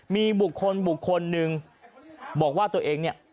มีบุคคลบุคคลหนึ่งบอกว่าตัวเองเนี่ย